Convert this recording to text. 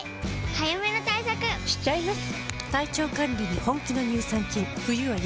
早めの対策しちゃいます。